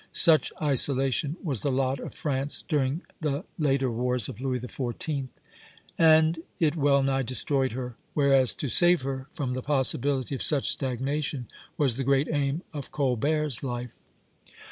Such isolation was the lot of France during the later wars of Louis XIV., and it well nigh destroyed her; whereas to save her from the possibility of such stagnation was the great aim of Colbert's life.